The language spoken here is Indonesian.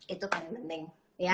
itu paling penting